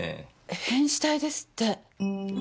変死体ですって。